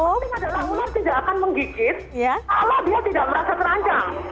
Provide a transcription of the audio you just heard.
yang penting adalah ular tidak akan menggigit kalau dia tidak merasa terancam